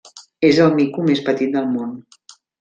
És el mico més petit del món.